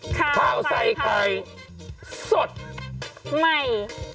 ขาวไซไทยสดใหม่